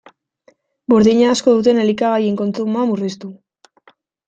Burdina asko duten elikagaien kontsumoa murriztu.